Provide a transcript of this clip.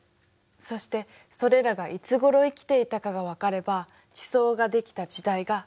そしてそれらがいつごろ生きていたかがわかれば地層ができた時代が大体わかる。